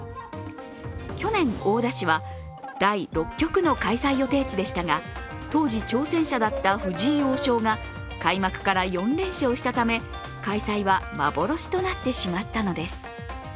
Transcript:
去年、大田市は第６局の開催予定地でしたが当時挑戦者だった藤井王将が開幕から４連勝したため、開催は幻となってしまったのです。